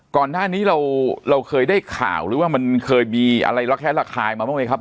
ก่อนหน้านี้เราเคยได้ข่าวหรือว่ามันเคยมีอะไรระแคะระคายมาบ้างไหมครับ